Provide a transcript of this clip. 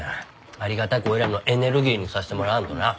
ありがたく俺らのエネルギーにさせてもらわんとな。